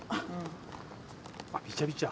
あっびちゃびちゃ？